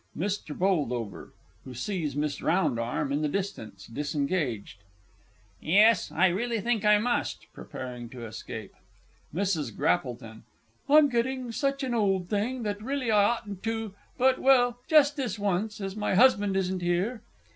MR. B. (who sees MISS ROUNDARM in the distance, disengaged). Yes, I really think I must . [Preparing to escape. MRS. GRAPPLETON. I'm getting such an old thing, that really I oughtn't to but well, just this once, as my husband isn't here.